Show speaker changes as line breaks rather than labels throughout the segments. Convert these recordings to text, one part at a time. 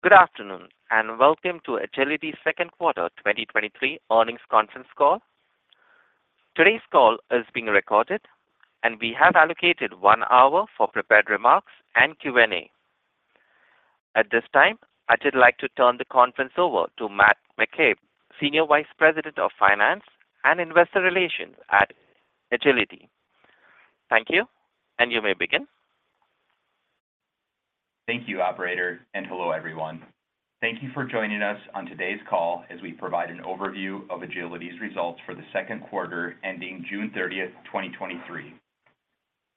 Good afternoon, and welcome to Agiliti's second quarter 2023 earnings conference call. Today's call is being recorded, and we have allocated one hour for prepared remarks and Q&A. At this time, I would like to turn the conference over to Matt McCabe, Senior Vice President of Finance and Investor Relations at Agiliti. Thank you, and you may begin.
Thank you, operator, and hello, everyone. Thank you for joining us on today's call as we provide an overview of Agiliti's results for the second quarter ending June 30th, 2023.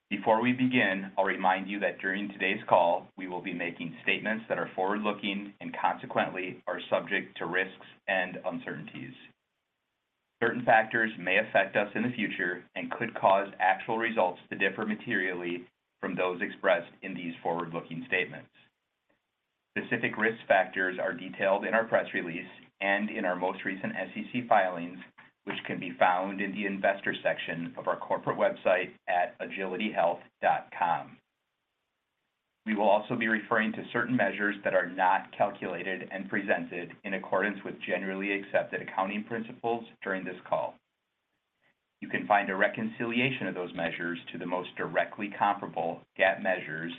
Before we begin, I'll remind you that during today's call, we will be making statements that are forward-looking and consequently are subject to risks and uncertainties. Certain factors may affect us in the future and could cause actual results to differ materially from those expressed in these forward-looking statements. Specific risk factors are detailed in our press release and in our most recent SEC filings, which can be found in the Investor section of our corporate website at agilitihealth.com. We will also be referring to certain measures that are not calculated and presented in accordance with generally accepted accounting principles during this call. You can find a reconciliation of those measures to the most directly comparable GAAP measures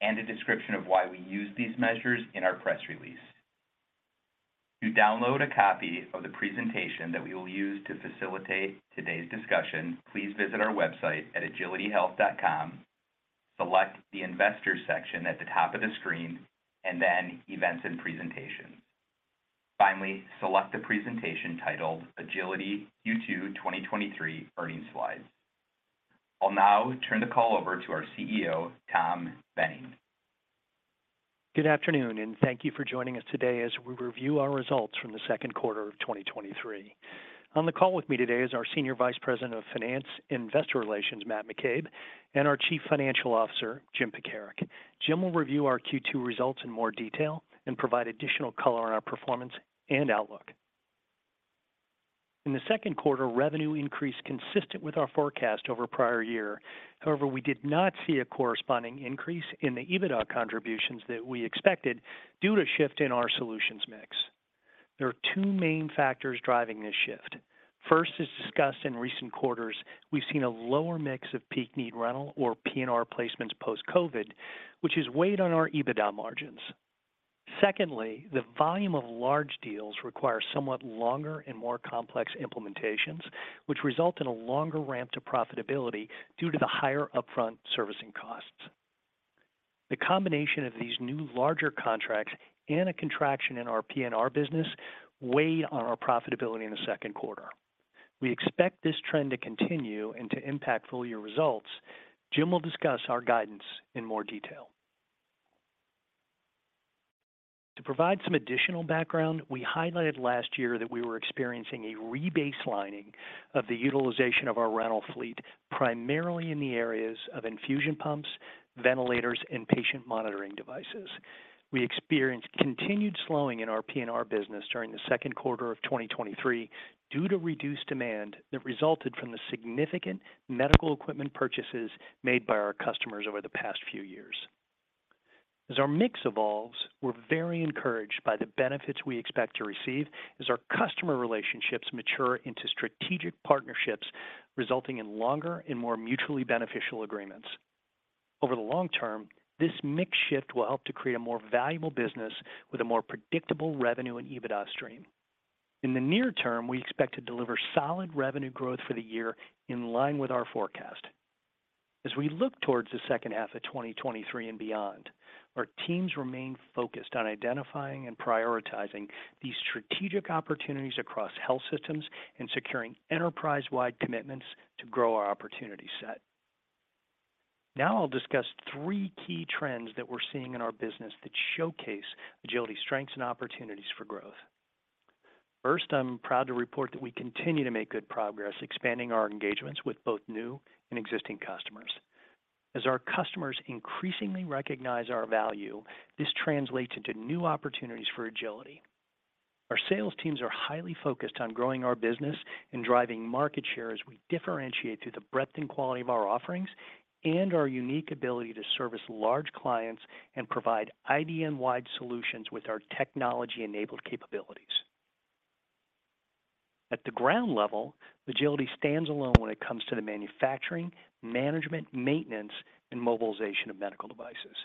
and a description of why we use these measures in our press release. To download a copy of the presentation that we will use to facilitate today's discussion, please visit our website at agilitihealth.com. Select the Investor section at the top of the screen and then Events and Presentations. Finally, select the presentation titled Agiliti Q2 2023 Earnings Slides. I'll now turn the call over to our CEO, Tom Boehning.
Good afternoon, and thank you for joining us today as we review our results from the second quarter of 2023. On the call with me today is our Senior Vice President of Finance and Investor Relations, Matt McCabe, and our Chief Financial Officer, Jim Pekarek. Jim will review our Q2 results in more detail and provide additional color on our performance and outlook. In the second quarter, revenue increased consistent with our forecast over prior-year. However, we did not see a corresponding increase in the EBITDA contributions that we expected due to shift in our solutions mix. There are two main factors driving this shift. First, as discussed in recent quarters, we've seen a lower mix of peak need rental or PNR placements post-COVID, which has weighed on our EBITDA margins. Secondly, the volume of large deals requires somewhat longer and more complex implementations, which result in a longer ramp to profitability due to the higher upfront servicing costs. The combination of these new larger contracts and a contraction in our PNR business weigh on our profitability in the second quarter. We expect this trend to continue and to impact full-year results. Jim will discuss our guidance in more detail. To provide some additional background, we highlighted last year that we were experiencing a rebaselining of the utilization of our rental fleet, primarily in the areas of infusion pumps, ventilators, and patient monitoring devices. We experienced continued slowing in our PNR business during the second quarter of 2023 due to reduced demand that resulted from the significant medical equipment purchases made by our customers over the past few years. As our mix evolves, we're very encouraged by the benefits we expect to receive as our customer relationships mature into strategic partnerships, resulting in longer and more mutually beneficial agreements. Over the long term, this mix shift will help to create a more valuable business with a more predictable revenue and EBITDA stream. In the near term, we expect to deliver solid revenue growth for the year in line with our forecast. As we look towards the second half of 2023 and beyond, our teams remain focused on identifying and prioritizing these strategic opportunities across health systems and securing enterprise-wide commitments to grow our opportunity set. Now I'll discuss three key trends that we're seeing in our business that showcase Agiliti's strengths and opportunities for growth. First, I'm proud to report that we continue to make good progress expanding our engagements with both new and existing customers. As our customers increasingly recognize our value, this translates into new opportunities for Agiliti. Our sales teams are highly focused on growing our business and driving market share as we differentiate through the breadth and quality of our offerings and our unique ability to service large clients and provide IDN-wide solutions with our technology-enabled capabilities. At the ground level, Agiliti stands alone when it comes to the manufacturing, management, maintenance, and mobilization of medical devices.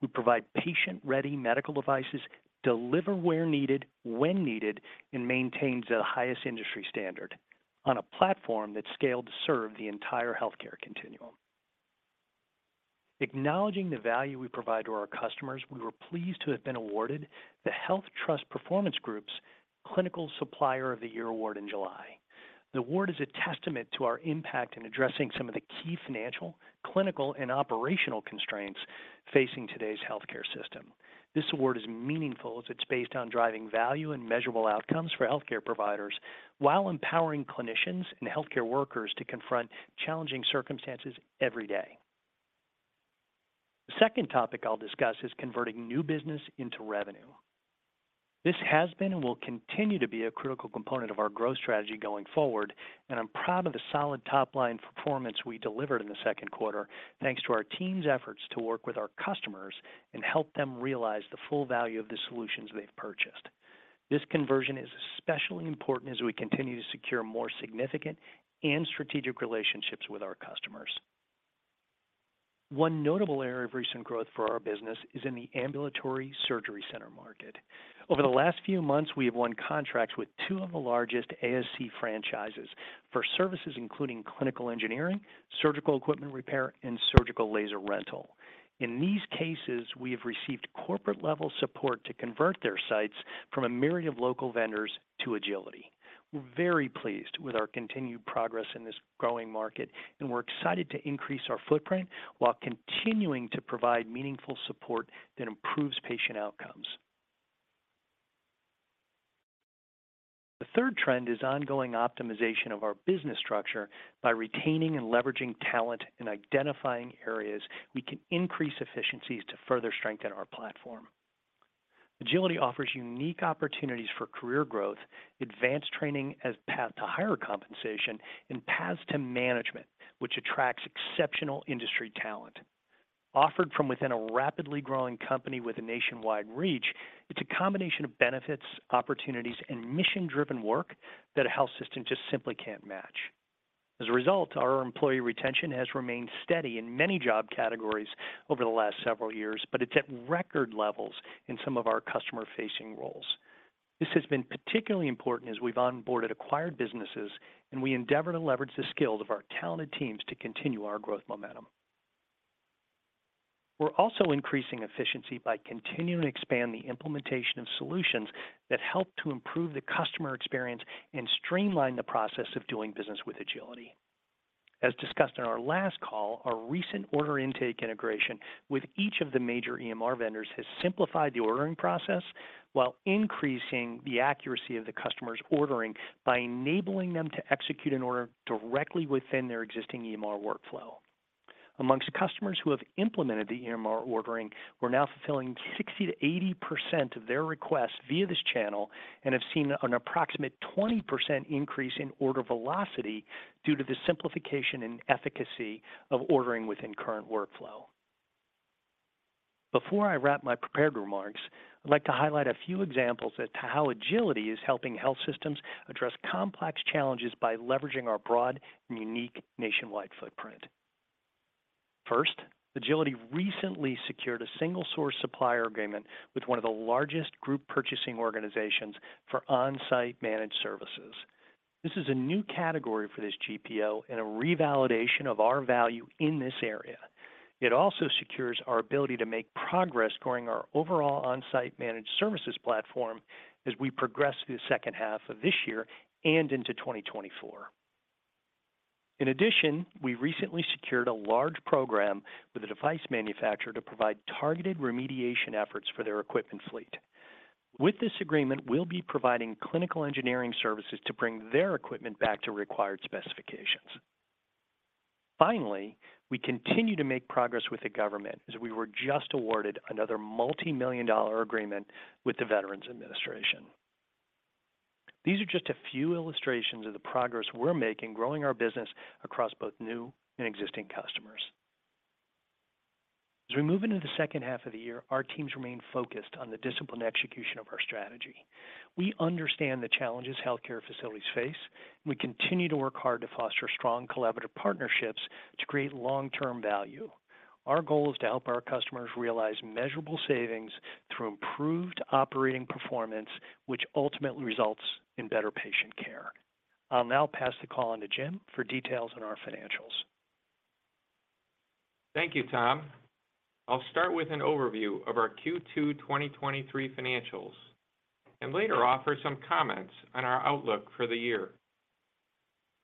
We provide patient-ready medical devices, deliver where needed, when needed, and maintains the highest industry standard on a platform that's scaled to serve the entire healthcare continuum. Acknowledging the value we provide to our customers, we were pleased to have been awarded the HealthTrust Performance Group's Clinical Supplier of the Year Award in July. The award is a testament to our impact in addressing some of the key financial, clinical, and operational constraints facing today's healthcare system. This award is meaningful as it's based on driving value and measurable outcomes for healthcare providers while empowering clinicians and healthcare workers to confront challenging circumstances every day. The second topic I'll discuss is converting new business into revenue... This has been and will continue to be a critical component of our growth strategy going forward, and I'm proud of the solid top-line performance we delivered in the second quarter, thanks to our team's efforts to work with our customers and help them realize the full value of the solutions they've purchased. This conversion is especially important as we continue to secure more significant and strategic relationships with our customers. One notable area of recent growth for our business is in the ambulatory surgery center market. Over the last few months, we have won contracts with two of the largest ASC franchises for services including clinical engineering, surgical equipment repair, and surgical laser rental. In these cases, we have received corporate-level support to convert their sites from a myriad of local vendors to Agiliti. We're very pleased with our continued progress in this growing market, and we're excited to increase our footprint while continuing to provide meaningful support that improves patient outcomes. The third trend is ongoing optimization of our business structure by retaining and leveraging talent and identifying areas we can increase efficiencies to further strengthen our platform. Agiliti offers unique opportunities for career growth, advanced training as path to higher compensation, and paths to management, which attracts exceptional industry talent. Offered from within a rapidly growing company with a nationwide reach, it's a combination of benefits, opportunities, and mission-driven work that a health system just simply can't match. As a result, our employee retention has remained steady in many job categories over the last several years, but it's at record levels in some of our customer-facing roles. This has been particularly important as we've onboarded acquired businesses, and we endeavor to leverage the skills of our talented teams to continue our growth momentum. We're also increasing efficiency by continuing to expand the implementation of solutions that help to improve the customer experience and streamline the process of doing business with Agiliti. As discussed on our last call, our recent order intake integration with each of the major EMR vendors has simplified the ordering process while increasing the accuracy of the customers' ordering by enabling them to execute an order directly within their existing EMR workflow. Amongst customers who have implemented the EMR ordering, we're now fulfilling 60%-80% of their requests via this channel and have seen an approximate 20% increase in order velocity due to the simplification and efficacy of ordering within current workflow. Before I wrap my prepared remarks, I'd like to highlight a few examples as to how Agiliti is helping health systems address complex challenges by leveraging our broad and unique nationwide footprint. First, Agiliti recently secured a single-source supplier agreement with one of the largest group purchasing organizations for onsite managed services. This is a new category for this GPO and a revalidation of our value in this area. It also secures our ability to make progress growing our overall onsite managed services platform as we progress through the second half of this year and into 2024. In addition, we recently secured a large program with a device manufacturer to provide targeted remediation efforts for their equipment fleet. With this agreement, we'll be providing clinical engineering services to bring their equipment back to required specifications. Finally, we continue to make progress with the government as we were just awarded another multimillion-dollar agreement with the Veterans Administration. These are just a few illustrations of the progress we're making, growing our business across both new and existing customers. As we move into the second half of the year, our teams remain focused on the disciplined execution of our strategy. We understand the challenges healthcare facilities face, and we continue to work hard to foster strong collaborative partnerships to create long-term value. Our goal is to help our customers realize measurable savings through improved operating performance, which ultimately results in better patient care. I'll now pass the call on to Jim for details on our financials.
Thank you, Tom. I'll start with an overview of our Q2 2023 financials and later offer some comments on our outlook for the year.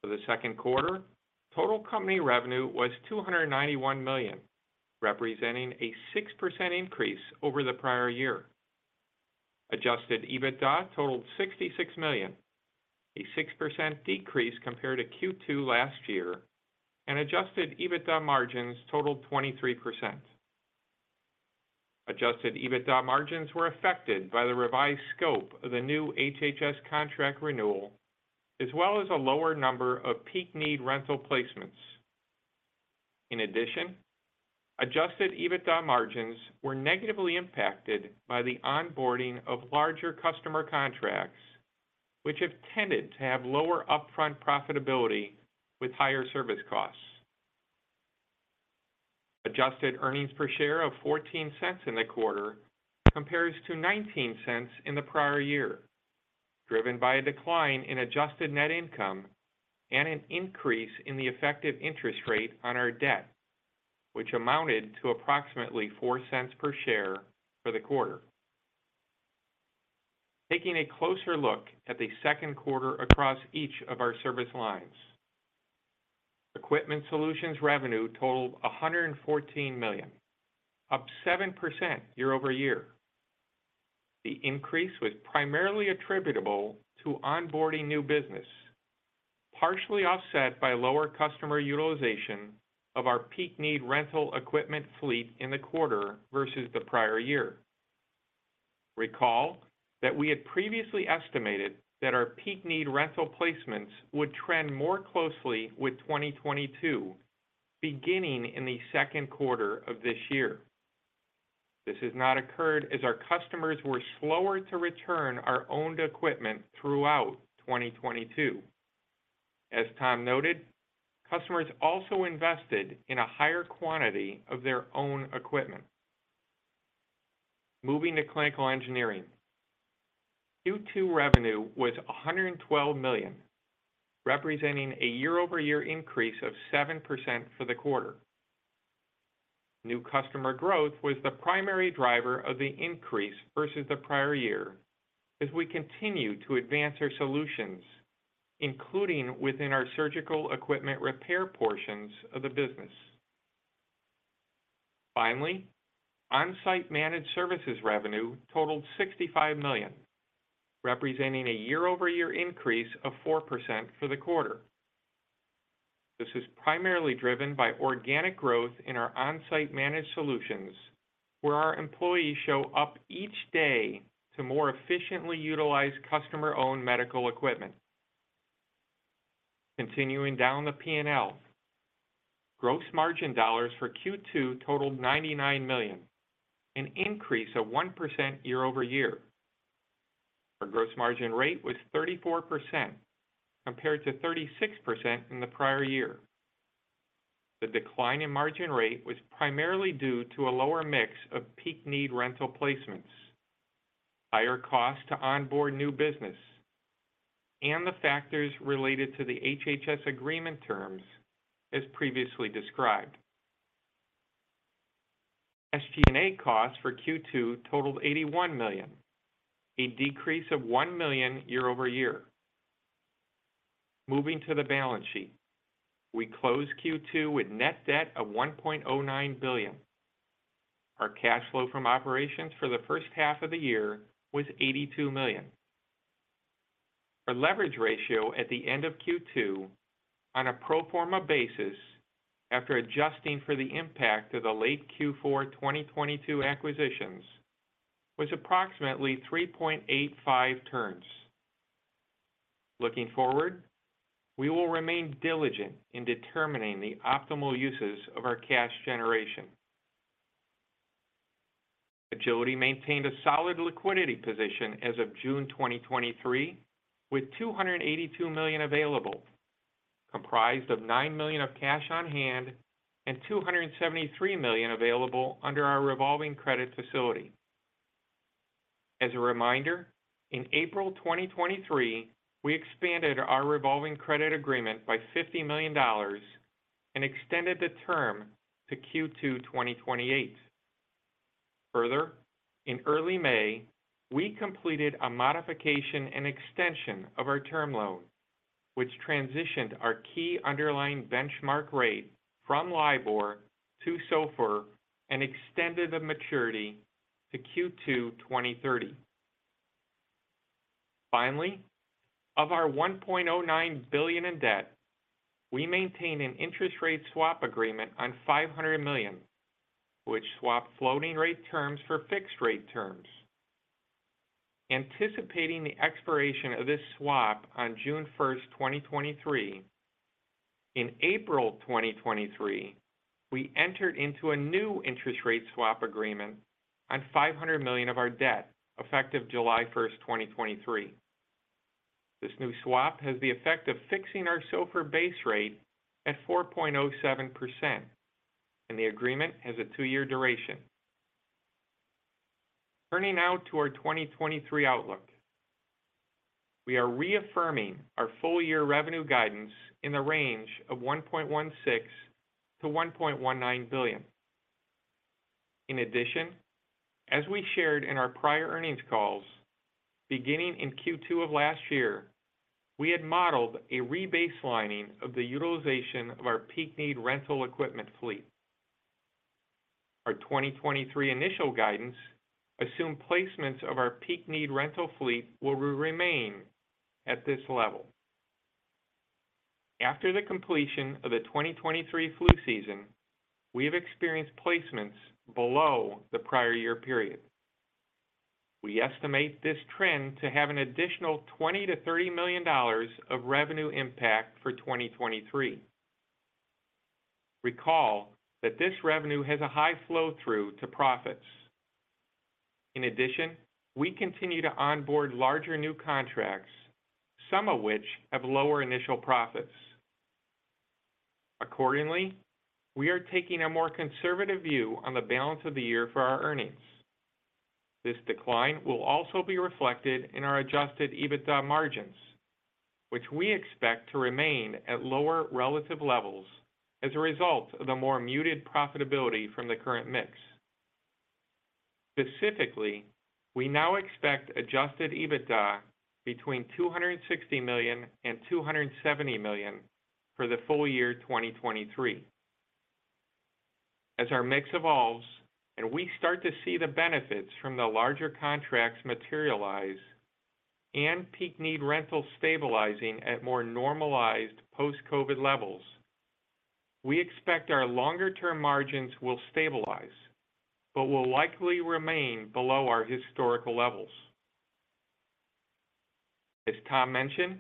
For the second quarter, total company revenue was $291 million, representing a 6% increase over the prior-year. Adjusted EBITDA totaled $66 million, a 6% decrease compared to Q2 last year, and Adjusted EBITDA margins totaled 23%. Adjusted EBITDA margins were affected by the revised scope of the new HHS contract renewal, as well as a lower number of peak need rental placements. In addition, Adjusted EBITDA margins were negatively impacted by the onboarding of larger customer contracts, which have tended to have lower upfront profitability with higher service costs. Adjusted earnings per share of $0.14 in the quarter compares to $0.19 in the prior-year, driven by a decline in adjusted net income and an increase in the effective interest rate on our debt, which amounted to approximately $0.04 per share for the quarter. Taking a closer look at the second quarter across each of our service lines. Equipment Solutions revenue totaled $114 million, up 7% year-over-year. The increase was primarily attributable to onboarding new business. Partially offset by lower customer utilization of our Peak Need Rental equipment fleet in the quarter versus the prior-year. Recall that we had previously estimated that our Peak Need Rental placements would trend more closely with 2022, beginning in the second quarter of this year. This has not occurred as our customers were slower to return our owned equipment throughout 2022. As Tom noted, customers also invested in a higher quantity of their own equipment. Moving to clinical engineering. Q2 revenue was $112 million, representing a year-over-year increase of 7% for the quarter. New customer growth was the primary driver of the increase versus the prior-year, as we continue to advance our solutions, including within our surgical equipment repair portions of the business. Finally, onsite managed services revenue totaled $65 million, representing a year-over-year increase of 4% for the quarter. This is primarily driven by organic growth in our onsite managed solutions, where our employees show up each day to more efficiently utilize customer-owned medical equipment. Continuing down the P&L, gross margin dollars for Q2 totaled $99 million, an increase of 1% year-over-year. Our gross margin rate was 34%, compared to 36% in the prior-year. The decline in margin rate was primarily due to a lower mix of peak need rental placements, higher costs to onboard new business, and the factors related to the HHS agreement terms, as previously described. SG&A costs for Q2 totaled $81 million, a decrease of $1 million year-over-year. Moving to the balance sheet. We closed Q2 with net debt of $1.09 billion. Our cash flow from operations for the first half of the year was $82 million. Our leverage ratio at the end of Q2 on a pro forma basis, after adjusting for the impact of the late Q4 2022 acquisitions, was approximately 3.85 turns. Looking forward, we will remain diligent in determining the optimal uses of our cash generation. Agiliti maintained a solid liquidity position as of June 2023, with $282 million available, comprised of $9 million of cash on hand and $273 million available under our revolving credit facility. As a reminder, in April 2023, we expanded our revolving credit agreement by $50 million and extended the term to Q2 2028. Further, in early May, we completed a modification and extension of our term loan, which transitioned our key underlying benchmark rate from LIBOR to SOFR and extended the maturity to Q2 2030. Finally, of our $1.09 billion in debt, we maintain an interest rate swap agreement on $500 million, which swap floating rate terms for fixed rate terms. Anticipating the expiration of this swap on June 1st, 2023, in April 2023, we entered into a new interest rate swap agreement on $500 million of our debt, effective July 1st, 2023. This new swap has the effect of fixing our SOFR base rate at 4.07%, and the agreement has a two-year duration. Turning now to our 2023 outlook. We are reaffirming our full-year revenue guidance in the range of $1.16 billion-$1.19 billion. In addition, as we shared in our prior earnings calls, beginning in Q2 of last year, we had modeled a rebaselining of the utilization of our peak need rental equipment fleet. Our 2023 initial guidance assumed placements of our peak need rental fleet will re-remain at this level. After the completion of the 2023 flu season, we have experienced placements below the prior-year period. We estimate this trend to have an additional $20 million-$30 million of revenue impact for 2023. Recall that this revenue has a high flow-through to profits. In addition, we continue to onboard larger new contracts, some of which have lower initial profits. Accordingly, we are taking a more conservative view on the balance of the year for our earnings. This decline will also be reflected in our adjusted EBITDA margins, which we expect to remain at lower relative levels as a result of the more muted profitability from the current mix. Specifically, we now expect adjusted EBITDA between $260 million and $270 million for the full-year 2023.... as our mix evolves and we start to see the benefits from the larger contracts materialize and peak need rental stabilizing at more normalized post-COVID levels, we expect our longer-term margins will stabilize but will likely remain below our historical levels. As Tom mentioned,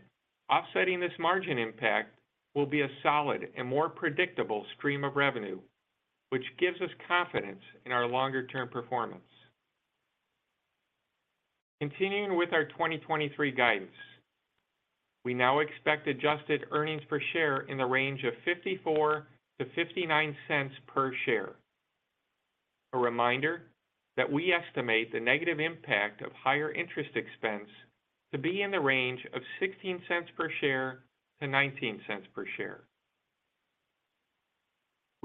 offsetting this margin impact will be a solid and more predictable stream of revenue, which gives us confidence in our longer-term performance. Continuing with our 2023 guidance, we now expect adjusted earnings per share in the range of $0.54-$0.59 per share. A reminder that we estimate the negative impact of higher interest expense to be in the range of $0.16-$0.19 per share.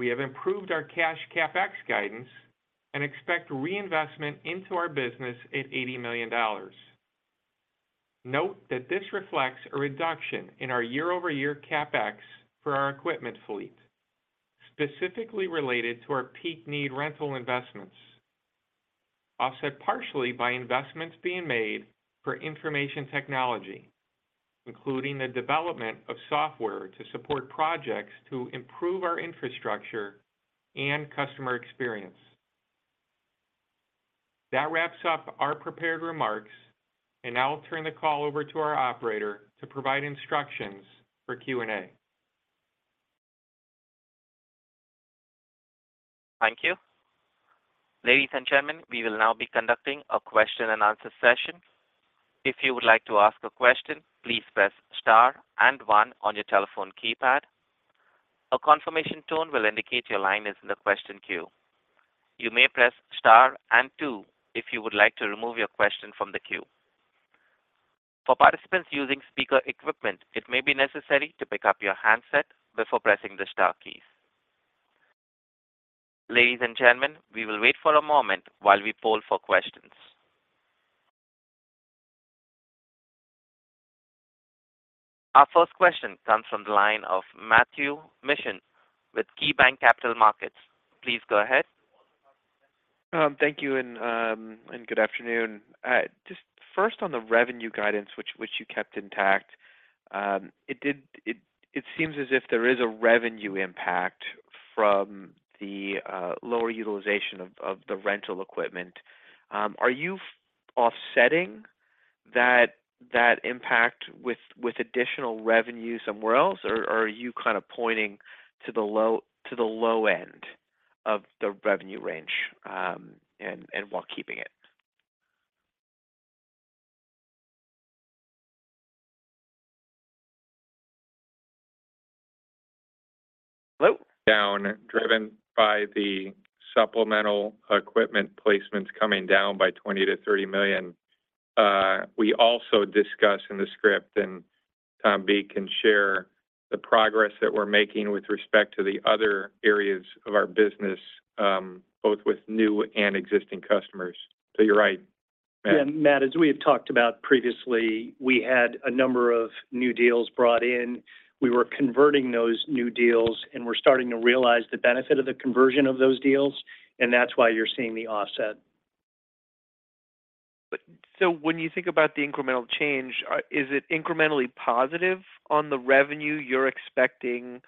We have improved our cash CapEx guidance and expect reinvestment into our business at $80 million. Note that this reflects a reduction in our year-over-year CapEx for our equipment fleet, specifically related to our peak need rental investments, offset partially by investments being made for information technology, including the development of software to support projects to improve our infrastructure and customer experience. That wraps up our prepared remarks, and now I'll turn the call over to our operator to provide instructions for Q&A.
Thank you. Ladies and gentlemen, we will now be conducting a question-and-answer session. If you would like to ask a question, please press star and one on your telephone keypad. A confirmation tone will indicate your line is in the question queue. You may press star and two if you would like to remove your question from the queue. For participants using speaker equipment, it may be necessary to pick up your handset before pressing the star key. Ladies and gentlemen, we will wait for a moment while we poll for questions. Our first question comes from the line of Matthew Mishan with KeyBanc Capital Markets. Please go ahead.
Thank you, and good afternoon. Just first on the revenue guidance, which, which you kept intact, it seems as if there is a revenue impact from the lower utilization of the rental equipment. Are you offsetting that, that impact with, with additional revenue somewhere else? Are you kind of pointing to the low, to the low end of the revenue range, and, and while keeping it? Hello.
Down, driven by the supplemental equipment placements coming down by $20 million-$30 million. We also discuss in the script, and Tom B. can share the progress that we're making with respect to the other areas of our business, both with new and existing customers. You're right, Matt.
Yeah, Matt, as we have talked about previously, we had a number of new deals brought in. We were converting those new deals, and we're starting to realize the benefit of the conversion of those deals, and that's why you're seeing the offset.
When you think about the incremental change, is it incrementally positive on the revenue you're expecting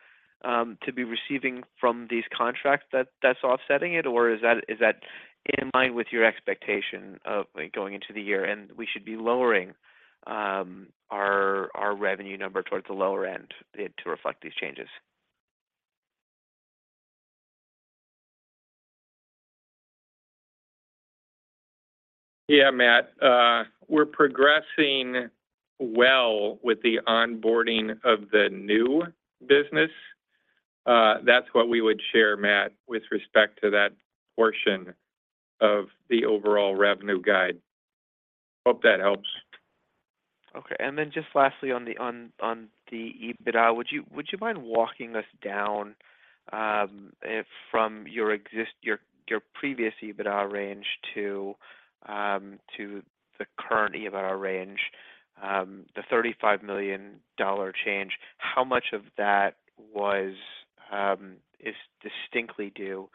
to be receiving from these contracts that, that's offsetting it? Or is that, is that in line with your expectation of going into the year, and we should be lowering our revenue number towards the lower end to reflect these changes?
Yeah, Matt. We're progressing well with the onboarding of the new business. That's what we would share, Matt, with respect to that portion of the overall revenue guide. Hope that helps.
Okay. Just lastly, on the EBITDA, would you mind walking us down, if from your previous EBITDA range to the current EBITDA range, the $35 million change, how much of that was distinctly due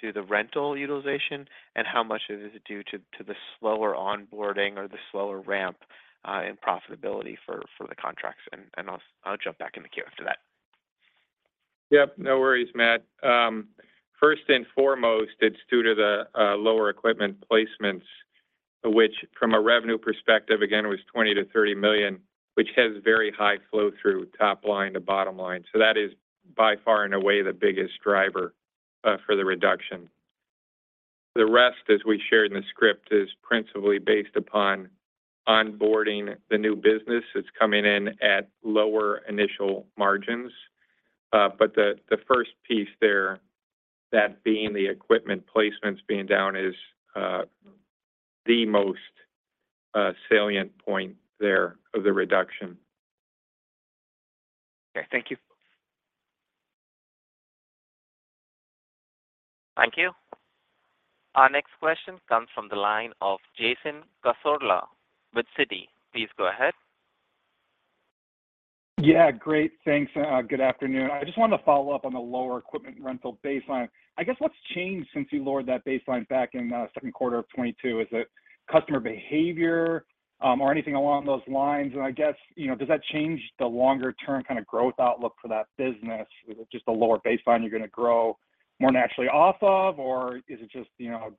to the rental utilization? How much of it is due to the slower onboarding or the slower ramp in profitability for the contracts? I'll jump back in the queue after that.
Yep. No worries, Matt. First and foremost, it's due to the lower equipment placements, which, from a revenue perspective, again, was $20 million-$30 million, which has very high flow through top line to bottom line. That is by far and away the biggest driver for the reduction. The rest, as we shared in the script, is principally based upon onboarding the new business that's coming in at lower initial margins. The, the first piece there, that being the equipment placements being down, is the most salient point there of the reduction.
Okay. Thank you.
Thank you. Our next question comes from the line of Jason Cassorla with Citi. Please go ahead.
Yeah, great. Thanks. good afternoon. I just wanted to follow up on the lower equipment rental baseline. I guess what's changed since you lowered that baseline back in, second quarter of 2022? Is it customer behavior, or anything along those lines? I guess, you know, does that change the longer-term kind of growth outlook for that business? Is it just a lower baseline you're going to grow more naturally off of, or is it just, you know,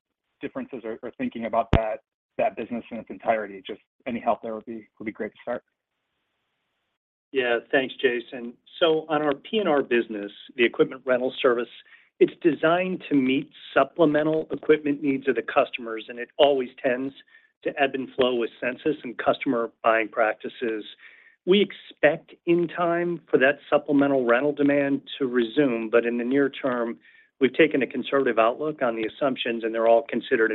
differences or, or thinking about that, that business in its entirety? Just any help there would be, would be great to start.
Yeah. Thanks, Jason. On our PNR business, the equipment rental service, it's designed to meet supplemental equipment needs of the customers, and it always tends to ebb and flow with census and customer buying practices. We expect in time for that supplemental rental demand to resume, but in the near term, we've taken a conservative outlook on the assumptions, and they're all considered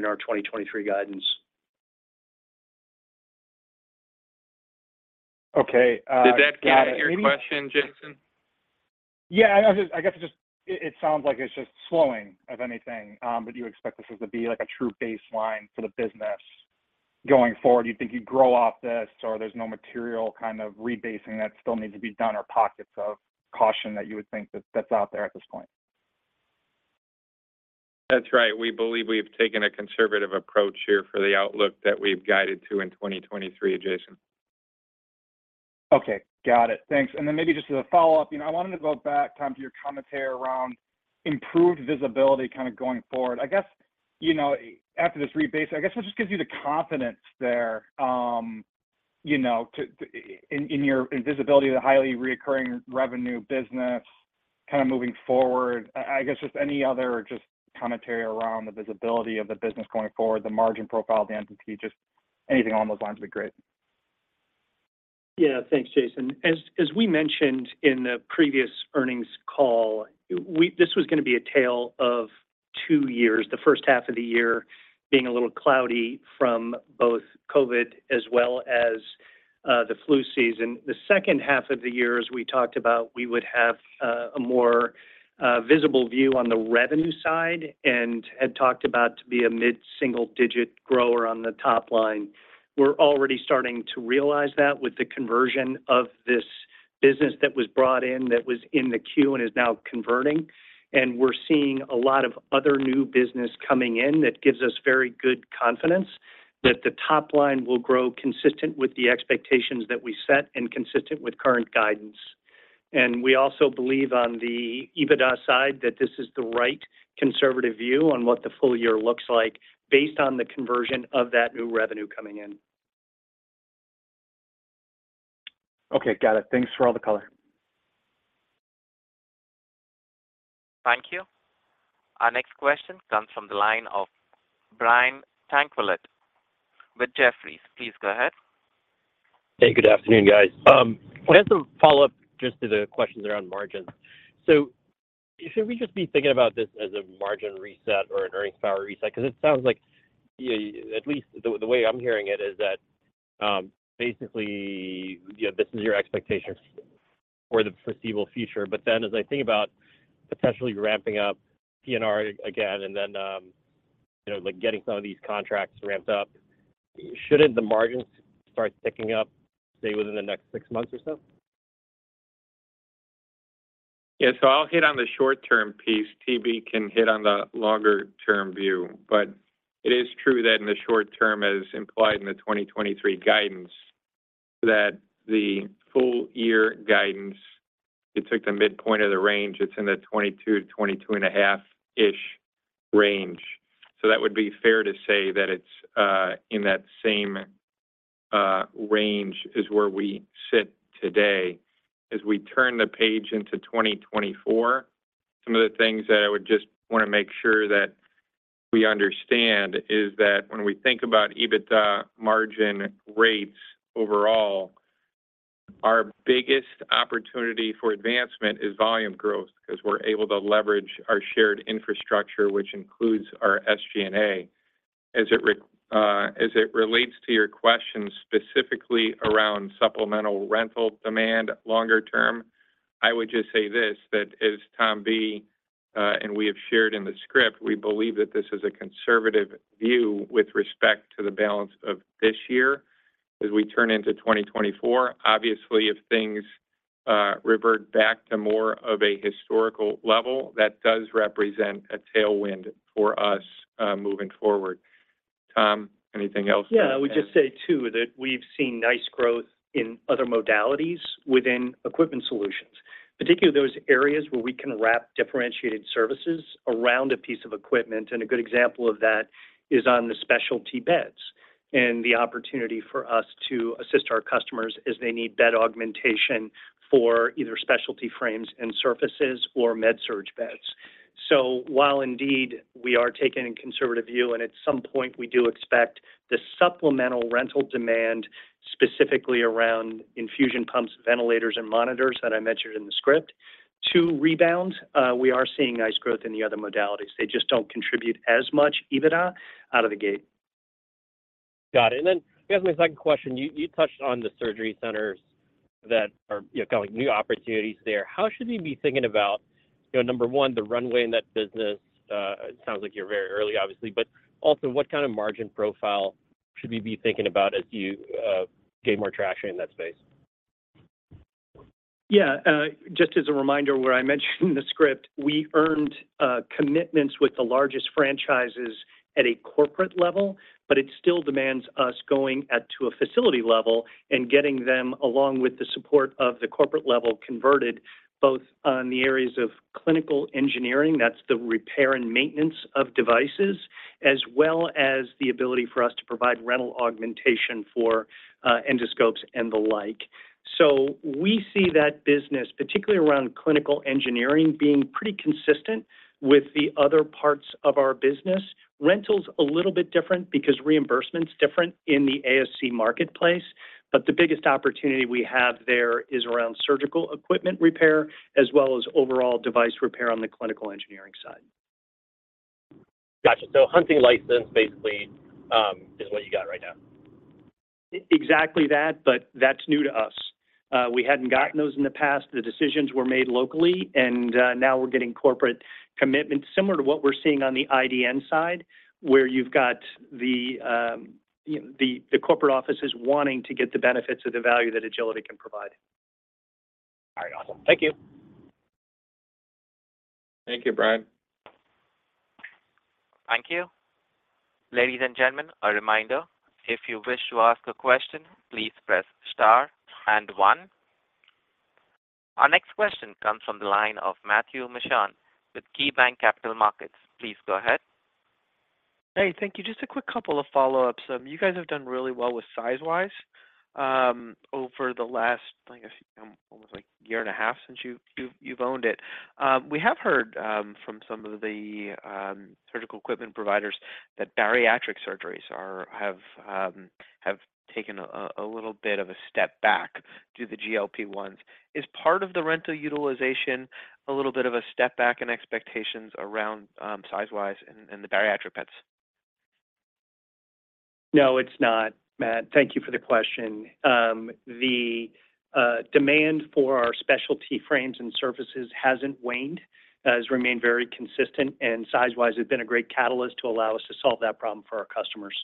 in our 2023 guidance.
Okay.
Did that get your question, Jason?
Yeah, I know. Just I guess just it, it sounds like it's just slowing, if anything. You expect this is to be like a true baseline for the business going forward? You think you'd grow off this, or there's no material kind of rebasing that still needs to be done, or pockets of caution that you would think that, that's out there at this point?
That's right. We believe we've taken a conservative approach here for the outlook that we've guided to in 2023, Jason.
Okay. Got it. Thanks. Then maybe just as a follow-up, you know, I wanted to go back, Tom, to your commentary around improved visibility kind of going forward. I guess, you know, after this rebase, I guess what just gives you the confidence there, you know, to in your visibility of the highly reoccurring revenue business kind of moving forward? I, I guess just any other just commentary around the visibility of the business going forward, the margin profile of the entity, just anything along those lines would be great.
Yeah. Thanks, Jason. As, as we mentioned in the previous earnings call, this was going to be a tale of two years. The first half of the year being a little cloudy from both COVID as well as the flu season. The second half of the year, as we talked about, we would have a more visible view on the revenue side and had talked about to be a mid-single-digit grower on the top line. We're already starting to realize that with the conversion of this business that was brought in, that was in the queue and is now converting. We're seeing a lot of other new business coming in that gives us very good confidence that the top line will grow consistent with the expectations that we set and consistent with current guidance. We also believe on the EBITDA side, that this is the right conservative view on what the full-year looks like, based on the conversion of that new revenue coming in.
Okay. Got it. Thanks for all the color.
Thank you. Our next question comes from the line of Brian Tanquilut with Jefferies. Please go ahead.
Hey, good afternoon, guys. I have some follow-up just to the questions around margins. Should we just be thinking about this as a margin reset or an earnings power reset? Because it sounds like, yeah, at least the, the way I'm hearing it, is that, basically, you know, this is your expectation for the foreseeable future. Then, as I think about potentially ramping up PNR again and then, you know, like, getting some of these contracts ramped up, shouldn't the margins start ticking up, say, within the next six months or so?
Yeah. I'll hit on the short-term piece. TB can hit on the longer-term view. It is true that in the short term, as implied in the 2023 guidance, that the full-year guidance, it took the midpoint of the range. It's in the 22-22.5-ish range. That would be fair to say that it's in that same range is where we sit today. We turn the page into 2024, some of the things that I would just want to make sure that we understand is that when we think about EBITDA margin rates overall, our biggest opportunity for advancement is volume growth because we're able to leverage our shared infrastructure, which includes our SG&A. As it relates to your question specifically around supplemental rental demand longer term, I would just say this, that as Tom B. and we have shared in the script, we believe that this is a conservative view with respect to the balance of this year as we turn into 2024. Obviously, if things revert back to more of a historical level, that does represent a tailwind for us moving forward. Tom, anything else?
Yeah. I would just say, too, that we've seen nice growth in other modalities within equipment solutions, particularly those areas where we can wrap differentiated services around a piece of equipment. And a good example of that is on the specialty beds, and the opportunity for us to assist our customers as they need bed augmentation for either specialty frames and surfaces or med-surg beds. So while indeed we are taking a conservative view, and at some point, we do expect the supplemental rental demand, specifically around infusion pumps, ventilators, and monitors that I mentioned in the script, to rebound, we are seeing nice growth in the other modalities. They just don't contribute as much EBITDA out of the gate.
Got it. Then I guess my second question, you touched on the surgery centers that are, you know, kind of like new opportunities there. How should we be thinking about- You know, number one, the runway in that business, it sounds like you're very early, obviously, but also, what kind of margin profile should we be thinking about as you gain more traction in that space?
Yeah, just as a reminder, where I mentioned the script, we earned commitments with the largest franchises at a corporate level, but it still demands us going at to a facility level and getting them, along with the support of the corporate level, converted both on the areas of clinical engineering, that's the repair and maintenance of devices, as well as the ability for us to provide rental augmentation for endoscopes and the like. We see that business, particularly around clinical engineering, being pretty consistent with the other parts of our business. Rental's a little bit different because reimbursement's different in the ASC marketplace, but the biggest opportunity we have there is around surgical equipment repair, as well as overall device repair on the clinical engineering side.
Gotcha. hunting license basically, is what you got right now?
Exactly that, but that's new to us. We hadn't gotten those in the past. The decisions were made locally, now we're getting corporate commitment, similar to what we're seeing on the IDN side, where you've got the, you know, the, the corporate offices wanting to get the benefits of the value that Agiliti can provide.
All right. Awesome. Thank you.
Thank you, Brian.
Thank you. Ladies and gentlemen, a reminder, if you wish to ask a question, please press star and one. Our next question comes from the line of Matthew Mishan with KeyBanc Capital Markets. Please go ahead.
Hey, thank you. Just a quick couple of follow-ups. You guys have done really well with Sizewise over the last, I guess, almost like year and a half since you've owned it. We have heard from some of the surgical equipment providers that bariatric surgeries have taken a little bit of a step back due to the GLP-1s. Is part of the rental utilization a little bit of a step back in expectations around Sizewise and the bariatric beds?
No, it's not, Matt. Thank you for the question. The demand for our specialty frames and surfaces hasn't waned. It has remained very consistent. Sizewise has been a great catalyst to allow us to solve that problem for our customers.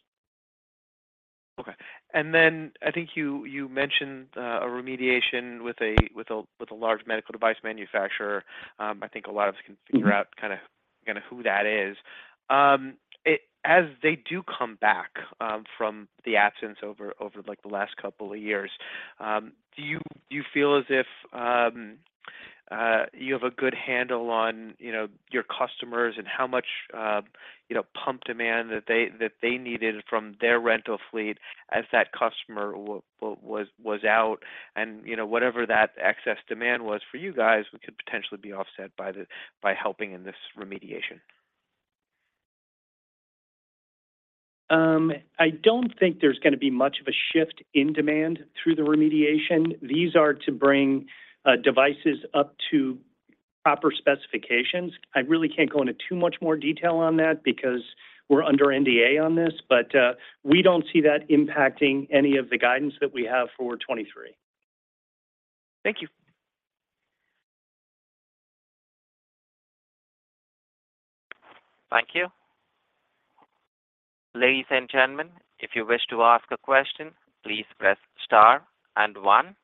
Okay. I think you, you mentioned a remediation with a, with a, with a large medical device manufacturer. I think a lot of us-
Mm-hmm...
can figure out kinda, kinda who that is. As they do come back from the absence over, over, like, the last couple of years, do you, do you feel as if you have a good handle on, you know, your customers and how much, you know, pump demand that they, that they needed from their rental fleet as that customer was out? You know, whatever that excess demand was for you guys, we could potentially be offset by the, by helping in this remediation.
I don't think there's gonna be much of a shift in demand through the remediation. These are to bring devices up to proper specifications. I really can't go into too much more detail on that because we're under NDA on this, but we don't see that impacting any of the guidance that we have for 2023.
Thank you.
Thank you. Ladies and gentlemen, if you wish to ask a question, please press star and one.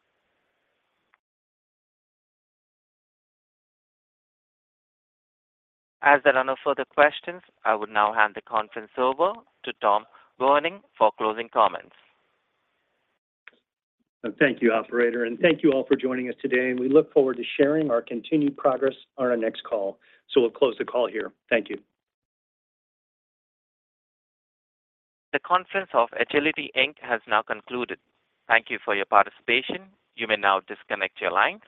As there are no further questions, I would now hand the conference over to Tom Boehning for closing comments.
Thank you, operator, and thank you all for joining us today, and we look forward to sharing our continued progress on our next call. We'll close the call here. Thank you.
The conference of Agiliti, Inc. has now concluded. Thank you for your participation. You may now disconnect your lines.